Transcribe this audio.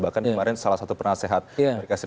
bahkan kemarin salah satu penasehat mereka